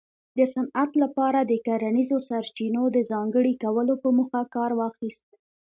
د صنعت لپاره د کرنیزو سرچینو د ځانګړي کولو په موخه کار واخیست